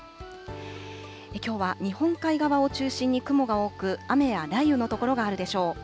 きょうは日本海側を中心に雲が多く、雨や雷雨の所があるでしょう。